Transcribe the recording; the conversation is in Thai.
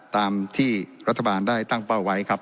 ตามที่รัฐบาลได้ตั้งเป้าไว้ครับ